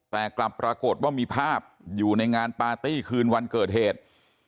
แต่กลับปรากฏว่ามีภาพอยู่ในงานปาร์ตี้คืนวันเกิดเหตุ